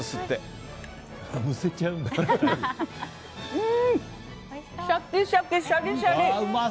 うん、シャキシャキシャリシャリ！